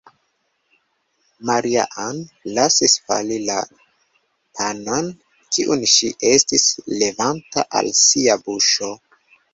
Maria-Ann lasis fali la panon, kiun ŝi estis levanta al sia buŝo.